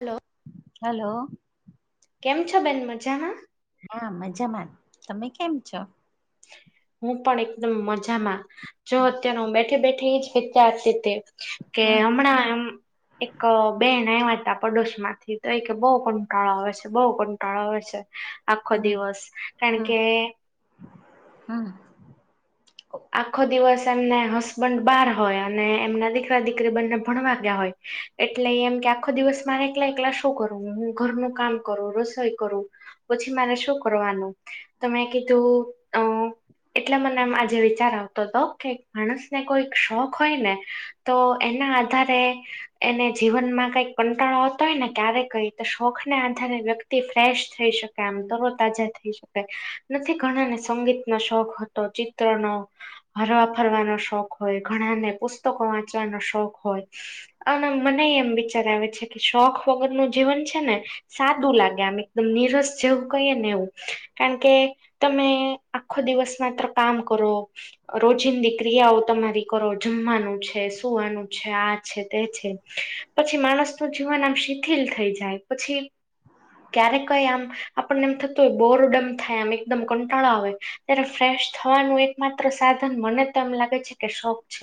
Hello. Hello. કેમ છો બેન મજામાં. હા મજામાં તમે કેમ છો. હું પણ એકદમ મજામાં જો અત્યારનો હું બેઠી બેઠી જ સેતા સાતે. કે હમ હમણાં એમ. એક બેન આવ્યા હતા પડોશ માંથી તો એ કે બહુ કંટાળો આવે છે બહુ કંટાળો આવે છે. આખો હમ દિવસ કારણ હમ કેમકે. હમ. આખો દિવસ એમને હસબન્ડ બહાર હોય અને એમના દીકરા દીકરી બને ભણવાગયા હોય. એટલે એમ કે આખો દિવસ મારે એકલા એકલા શું કરું હું ઘરનું કામ કરું રસોઈ કરું. પછી મારે શું કરવાનું તો મેં કીધું અ એટલા મને આજે. બાર આવતો હતો કે માણસને કોઈ શોખ હોય ને તો એના આધારે. એને જીવનમાં કઈક કંટાળોતો હોય ને ક્યારે કઈ તો શોખ ને આધારે વ્યક્તિ. ફ્રેશ થઈ શકાય આમ તરો તાજા થઈ શકાય નથી ઘણાને સંગીત ના શોખ. તો ચિત્ર નો ફરવા ફરવાનો શોખ હોય ઘણાને પુસ્તકો વાંચવાનો શોખ હોય. અને મને એમ વિચાર આવે છે કે શોખ વગર નું જીવન છે ને. સાદું લાગે આમ એકદમ નિનીરસ જેવું કહીએ ને એવું. કારણ કે તમે આખો દિવસ માત્ર કામ કરો. રોજિંદી ક્રિયાઓ તમારી કરો જમવાનું છે સુવાનું છે આ છે તે છે. પછી માણસ નું જીવન આમ શિથિલ થઈ જાય પછી. ક્યારે કઈ આમ આપણને એમ થતું હોય બોરડમપ થાય આમ એકદમ કંટાળો આવે. ત્યારે ફ્રેશ થવાનું એક માત્ર સાધન મને તો એમ લાગે છે કે શોખ.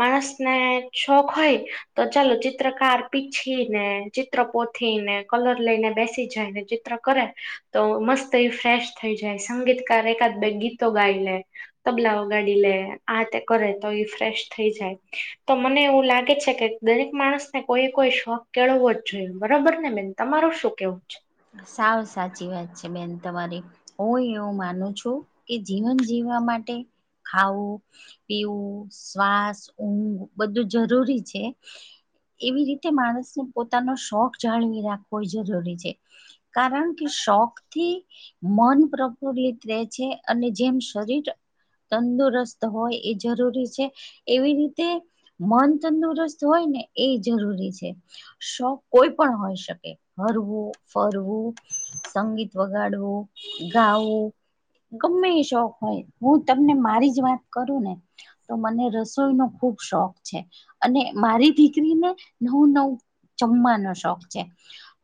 માણસ ને શોખ હોય તો ચાલો ચિત્રકાર પીછી ને. ચિત્ર પોથીને કલર લઈને બેસી જાય ને ચિત્ર કરે તો મસ્ત. એ ફ્રેશ થઈ જાય સંગીતકાર એકાદ બે ગીતો ગાઈ લે. તબલાઓગાડી લે આ તે કરે તો ફ્રેશ થઈ જાય, તો મને એવું લાગે છે કે દરેક માણસ ને કોઈ કોઈ શોખ કેળવો જ જોઈએ બરોબર ને બેન તમારું શું કેવું છે? સાવ સાચી વાત છે બેન તમારી. હું એવું માનું છું કે જીવન જીવવા માટે ખાવું. પીવું શ્વાસ ઊંઘ બધું જરૂરી છે. એવી રીતે માણસને પોતાનો શોખ જાળવી રાખવો જરૂરી છે. કારણ કે શોખ થી. મન પ્રફુલ્લિત રહે છે અને જેમ શરીર તંદુરસ્ત હોય એ જરૂરી છે એવી રીતે. મન તંદુરસ્ત હોય ને એ જરૂરી છે. શોખ કોઈ પણ હોય શકે, હરવું. ફરવું, સંગીત વગાડવું, ગાવું. ગમે એ શોખ હોય હું તમને મારી જ વાત કરું ને. તો મને રસોઈ નો ખુબ શોખ છે, અને મારી દીકરીને નવું નવું જમવાનો શોખ છે,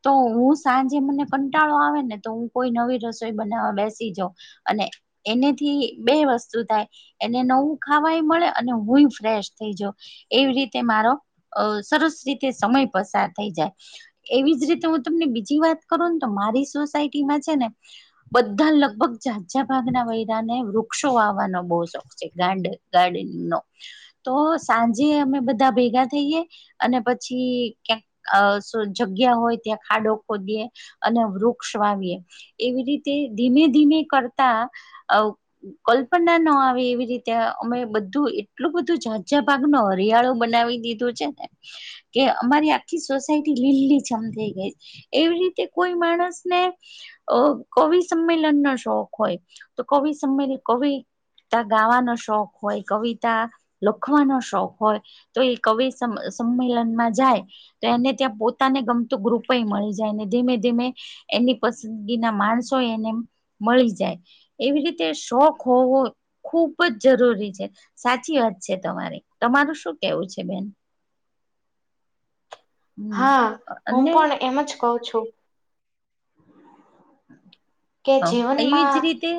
તો હું સાંજે મને કંટાળો આવે ને તો હું કોઈ નવી રસોઈ બનાવવા બેસી જાઉ. અને એનેથી બે વસ્તુ થાય. એને નવું ખાવાય મળે અને હું ફ્રેશ થઈ જાઊં. એવી રીતે મારો સરસ રીતે સમય પસાર થઈ જાય. એવી જ રીતે હું તમને બીજી વાત કરું ને તો મારી સોસાયટીમાં છે ને. બધા લગભગ જાઝજા ભાગના વયરાને વૃક્ષો વાવાનો બહુ શોખ છે ગાંડ ગાર્ડનિંગ નો, તો સાંજે અમે બધા ભેગા થઈએ. અને પછી ક્યાંક જગ્યા હોય ત્યાં ખાડો ખોદીએ અને વૃક્ષ વાવીએ એવી રીતે ધીમે ધીમે કરતા ઓ કલ્પના નો આવે એવી રીતે અમે બધું એટલું બધું ઝાઝા ભાગ નો હરિયાળો બનાવી દીધો છે ને કે અમારી આખી સોસાયટી લીલી જમ થઈ ગઈ એવી રીતે કોઈ માણસને અ કવિ સંમેલન નો શોખ હોય તો કવિ સંમેલન કવિ કા ગાવાનો શોખ હોય કવિતા લખવાનો શોખ હોય તો એ કવિ સ સંમેલનમાં જાય તો એને ત્યાં પોતાને ગમતું ગ્રુપે મળી જાય જાયને ધીમે ધીમે એમની પસંદગી ના માણસો એને મળી જાય એવી રીતે શોખ હોવો ખુબ જ જરૂરી છે સાચી વાત છે તમારી તમારું શું કેવું છે બેન હમ હા હું અને પણ એમ જ કહુ છું કે હ એવીજ જીવનમાં રીતે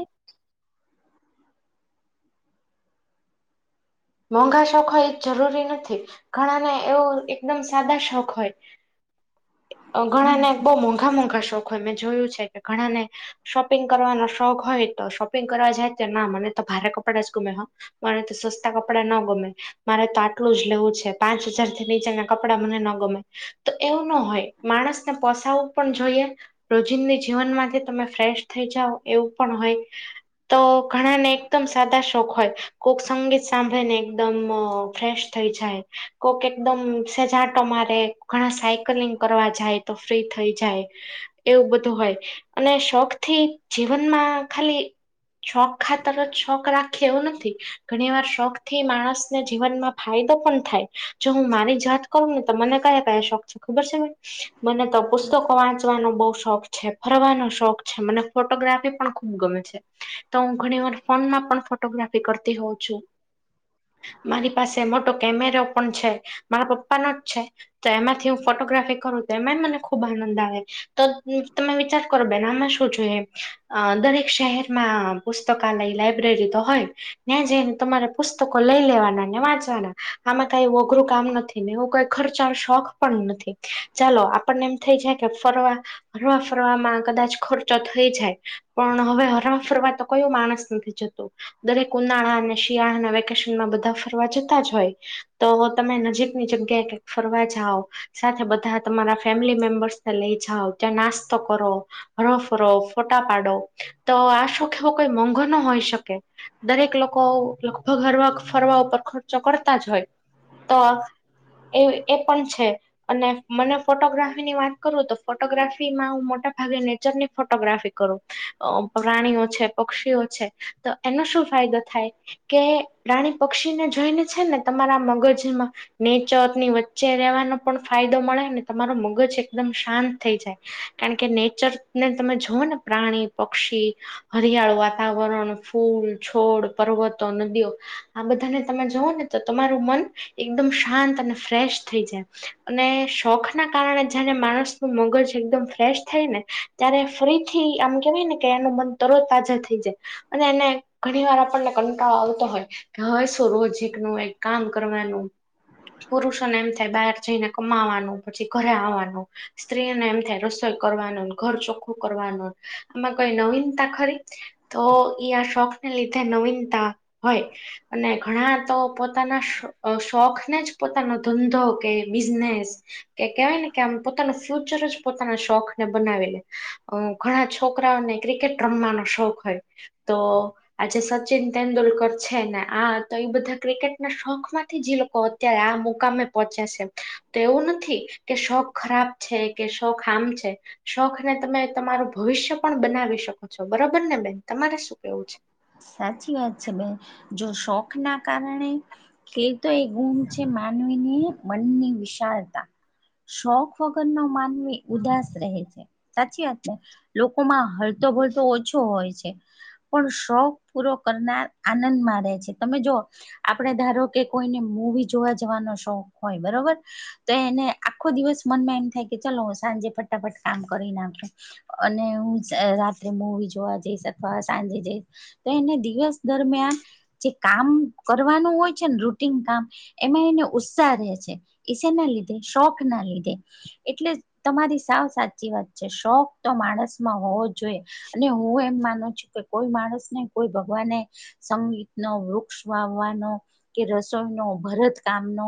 મોંઘા શોખ હોય એ જરૂરી નથી ઘણા ને એવો એકદમ સાદા શોખ હોય ઘણા હમ ને બોહ મોંઘા મોંઘા શોખ હોય મેં જોયું છે કે ઘણાને શોપિંગ કરવાનો શોખ હોય તો શોપિંગ કરવા જાય તો ના મને તો ભારે કપડા જ ગમે હ મારે તો સ કપડા નો ગમે મારે તો આટલું જ લેવું છે પાંચ હજાર થી નીચેના કપડાં મને નો ગમે તો એવું નો હોય માણસને પોસાવવું પણ જોઈએ રોજિંદી જીવન માંથી તમે ફ્રેશ થઈ જાઓ એવું પણ હોય તો ઘણા ને એકદમ સાદા શોખ હોય કોક સંગીત સાંભળી ને એકદમ ફ્રેશ થઈ જાય કોક એકદમ સેજાટો મારે ઘણા સાયકલિંગ કરવા જાય તો ફ્રી થઈ જાય એવું બધું હોય અને શોખ થી જીવનમાં ખાલી છોક ખાતર છોક રાખે એવું નથી ઘણી વાર શોખ થી માણસને જીવનમાં ફાયદો પણ થાય જો હું મારી જાત કરું ને તો મને કયા કયા શોખ ખબર છે ભાઈ મને તો પુસ્તકો વાંચવાનો બહ શોખ છે ફરવાનો શોખ છે મને ફોટોગ્રાફી પણ ખુબ ગમે છે તો હું ઘણી વાર ફોનમાં પણ ફોટોગ્રાફી કરતી હોઉં છું મારી પાસે મોટો કેમેરો પણ છે મારા પપ્પાનોો જ છે તો એમાંથી હું ફોટોગ્રાફી કરું તો એમાંય મને ખુબ આનંદ આવે તો તમે વિચાર કરો બેનામાં શું જોઈએ દરેક શહેરમાં પુસ્તકાલય લાઈબ્રેરી તો હોય ત્યાજઈને તમારે પુસ્તકો લઈ લેવાના ને વાંચવાના આમાં કાઈ ઓઘરું કામ નથી ને એવું કઈ ખર્ચાનો શોખ પણ નથી ચાલો આપણને એમ થઇ જાય કે ફરવા હરવા ફરવાવામાં કદાચ ખર્ચો થઈ જાય પણ હવે હરવા ફરવા તો કયો માણસ નથી જતો દરેક ઉનાળા અને શિયાળા વેકેશનમાં બધા ફરવા જતા જ હોય તો તમે નજીકની જગ્યાએ કક ફરવા જઓ સાથે બધા તમારા ફેમિલી મેમ્બર્સ લઈ જાઓ ત્યાં નાસ્તો કરો હરોફરો ફોટા પાડો તો આ શું કેવો કોઈ મોંઘ ન હોય શકે દરેક લોકો લગભગ હરવા ફરવા ઉપર ખર્ચો કરતા જ હોય તો એ એ પણ છે અને મને ફોટોગ્રાફીની વાત કરું તો ફોટોગ્રાફી માં હું મોટા ભાગે નેચરની ફોટોગ્રાફી કરું અ પ્રાણીઓ છે પક્ષીઓ છે તો એનો શું ફાયદો થાય કે રાણી પક્ષીને જોઈને છે ને તમારા મગજમાં નીચતની વચ્ચે રહેવાનો પણ ફાયદો મળે ને તમાર મગજ એકદમ શાંત થઈ જાય કારણ કે નેચર ને તમે જઓ ને પ્રાણી પક્ષી હરિયાળુ વાતાવરણ ફૂલ છોડ પર્વતો નદીઓ આ બધાને તમે જવઓ ને તો તમારું મન એકદમ શાંત અને ફ્રેશ થઈ જાય અને શોખ ના કારણે જયારે માણસ નું મગજ એકદમ ફ્રેશ થાય ને ત્યારે ફરી થી આમ કેવાય ને કે એનું મન તરત તાજા થઈ જાય અને એને ઘણી વાર આપ કંટાળ આવતો હોય કે હવે શું રોજક નું એક કામ કરવાનું પુરુષોને એમ થાય બહાર જઈને કમાવાનું પછી ઘરે આવવાનું સ્ત્રીને એમ થાય રસોઈ કરવાનું ઘર ચોખ્ખું કરવાનું આમાં કઈ નવીનતા ખરી તો ઈ આ શોખને લીધે નવીનતા હોય અને ઘણા તો પોતાના શોખ ને જ પોતાનો ધંધો કે બિઝનેસ કે કેહેવાય ને કે આમ પોતાનું ફ્યુચર જ પોતાના શોખને બનાવે. ઘણા છોકરાઓને ક્રિકેટ રમવાનો શોખ હોય. તો આજે સત સચિન તેંદુલકર છે ને આ તો એ બધા ક્રિકેટના શોખ માંથી જી ઇ લોકો ત્યાંઆ મુકામે પહોચ્યા છે. તો એવું નથી કે શોખ ખરાબ છે. કે શોખ ખામ છે. શોખ ને તમે તમારું ભવિષ્ય પણ બનાવી શકો છો. બરોબર ને બેન તમારે શું કેવું છે? સાચી વાત છે બેન. જો શોખ ના કારણે ખેતો એ ગુમ છે માનવી ને મનની વિશાળતા શોખ વગર નો માનવી ઉદાસ રહે છે. સાચી વાત ને લોકોમાં હળતો ભળતો ઓછો હોય છે. પણ શોખ પૂરો કરનાર આનંદમાં રહે છે. તમે જોઓ આપડ ધારો કે કોઈને મૂવી જોવા જવાનો શોખ હોય બરોબર. તો એને આખો દિવસ મનમાં એમ થાય કે ચલો હું સાંજે ફટાફટ કામ કરી નાખીશ. અને હું રાત્રે મુવી જોવા જઈશ અથવા સાજે જે તો એને દિવસ દરમિયાન જે કામ કરવાનું હોય છે ને રૂટન કામ. એમાં એને ઉત્સાહ રહે છે. ઈ શેના લીધે શોખ ના લીધે. એટલે તમારી સાવ સાચી વાત છે. શોખ તો માણસ માં હોવ જ જોએ અને હું એમ માનું છું કે કોઈ માણસ ને કોઈ ભગવાન ને સંગીતનો, વૃક્ષ વાવવાનો કે રસોઈનો, ભરત કામનો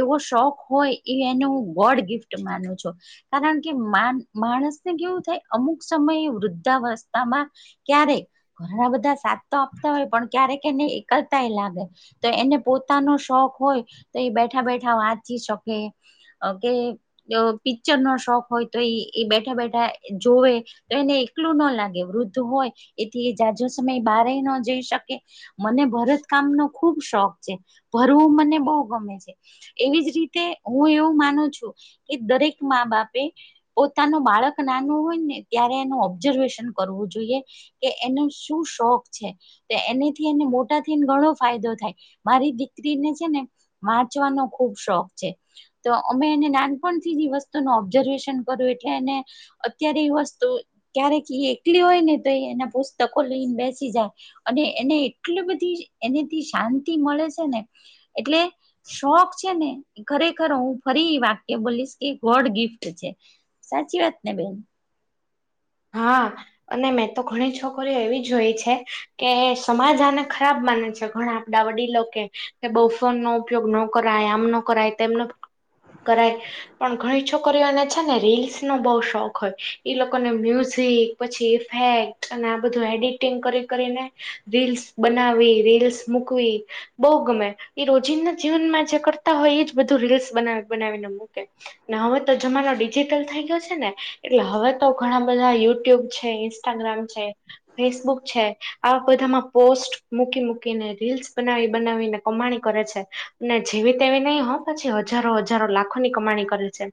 એવો શોખ હોય એ એને હું ગોડ ગિફ્ટ માનું છું. કારણ કે માન માણસ ને કેવું થાય અમુક સમયે વૃદ્ધાવસ્થામાં ક્યારેક ઘણા બધા સાથ તો આપતા હોય પણ ક્યારેક એને એકલતાય લાગે. તો એને પોતાનો શોખ હોય તો એ બેઠા બેઠા વાંચી શકે. કે પિચર નો શોખ હોય તો એ એ બેઠા બેઠા જોવે તો એને એકલું ન લાગે વૃદ્ધ હોય એથી એ જાજો સમય બાર ન જઈ શકે. મને ભરત કામ નો ખુબ શોખ છે. ભરવું મને બહુ ગમે છે. એવી જ રીતે હું એવું માનું છું, કે દરેક મા - બાપે પોતાનું બાળક નાનું હોય ને ત્યારે એનું ઓબ્ઝર્વેશન કરવું જોઈએ. કે એનો શું શોખ છે. તો એનેથી એને મોટાથીને ઘણો ફાયદો થાય મારી દીકરીને છે ને વાંચવાનો ખુબ શોખ છે. તો અમે એને નાનપણથી જે વસ્તુ ન ઓબ્ઝર્વેશન કરું એટલે એને અત્યારે એ વસ્તુ ક્યારેક એ એકલી હોય ને તો એ એના પુસ્તકો લઈને બેસી જાય. અને એને એટલી બધી એનેતી શાંતિ મળે છે ને. એટલે શોખ છે ને ખરેખર હું ફરી ઈ વાત એ બોલીસ કે ગોડ ગિફ્ટ છે. સાચી વાત ને બેન? હા અને મેં તો ઘણી છોકરીઓ એવી જોઈ છે કે સમાજ આને ખરાબ માને છે ઘણા વડીલો કે બહુ ફોનનો ઉપયોગ ન કરાય આમ ન કરાય તેમનો કરાય પણ ઘણી છોકરીઓને છે ને રીલ્સનો બહ શોખ હોય લોકોને મ્યુઝિક પછી ઇફેક્ટ અને આ બધું એડિટિંગ કરી કરીને રીલ્સ બનાવી રીલ્સ મુકવી. બહુ ગમે એ રોજીિંદના જીવનમાં જે કરતા હોય એ જ બધું રીલ્સ બના બનાવીને મૂકે. ને હવે તો જમાનો ડિજિટલ થઈ ગયો છે, ને એટલે હવે તો ઘણા બધા યુટ્યુબ છે ઇન્સ્ટાગ્રામ છે. ફેસબુક છે. આવા બધામાં પોસ્ટ મૂકી મૂકીને રીલ્સ બનાવી બનાવીને. કમાણી કરે છે. જેવી તેવી નહીં હો પછી હજારો હજારો લાખોની કમાણી કરે છે.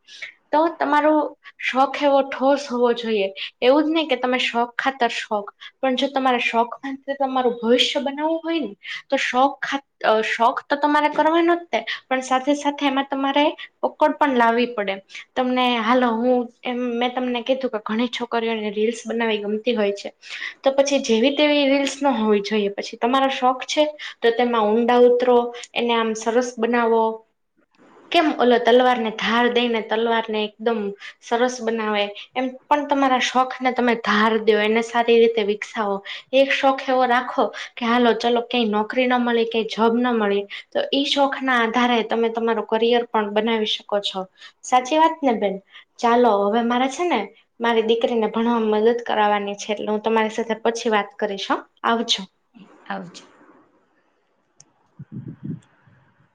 તો તમારું શોખ એવો ઠોસ હોવો જોઈએ. એવું જ નહી કે તમે શોખ ખાતર શોખ પણ જો તમારે શોખ ખ તમારું ભવિષ્ય બનાવવું હોય ને તો શોખ ખાત અ શોખ તો તમારે કરવાનો તે પણ સાથે સાથે એમાં તમારે પકડ પણ લાવવી પડે તમને હાલો હું એ મેં તમને કી કે ઘણી છોકરીઓને રીલ્સ બનાવી ગમતી હોય છે તો પછી જેવી તેવી રીલ્સ ન હોવી જોઈએ પછી તમારો શોખ છે તો તેમાં ઊંડા ઉતરો એને આમ સરસ બનાવો કેમ ઓલો તલવારને ધાર દઈને તલવારને એકદમ સરસ બનાવે એમ પણ તમારા શોખને તમે ધાર દો એને સારી રીતે વિકસાવો એક શોખ એવો રાખો કે હાલો ચલો કઈ નોકરી ના મળે કઈ જોબ ના મળે તો ઈ શોખ ના આધારે તમે તમારો કરિયર પણ બનાવી શકો છો સાચી વાત ને બેન ચાલો હવે મારા છે ને મારી દીકરીને ભણવામાં મદદ કરવાાવવાની છે એટલે હું તમારી સાથે પછી વાત કરીશ આવજો આવજ [inaudible]